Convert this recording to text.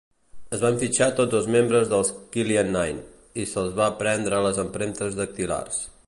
Es van fitxar tots els membres dels "Killian Nine" i se'ls van prendre les empremtes dactilars.